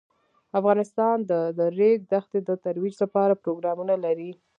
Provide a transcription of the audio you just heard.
افغانستان د د ریګ دښتې د ترویج لپاره پروګرامونه لري.